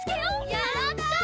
やったー！